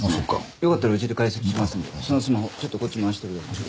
よかったらうちで解析しますのでそのスマホちょっとこっちに回してください。